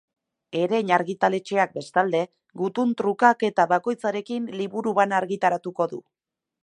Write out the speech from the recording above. Erein argitaletxeak bestalde, gutun trukaketa bakoitzarekin liburu bana argitaratuko du.